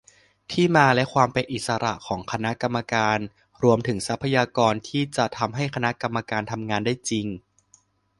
ที่มาและความเป็นอิสระของคณะกรรมการ รวมถึงทรัพยากรที่จะทำให้คณะกรรมการทำงานได้จริง